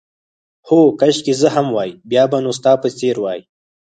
هو، کاشکې زه هم وای، بیا به نو ستا په څېر وای.